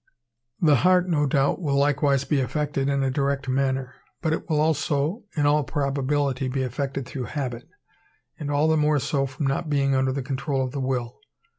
The heart no doubt will likewise be affected in a direct manner; but it will also in all probability be affected through habit; and all the more so from not being under the control of the will.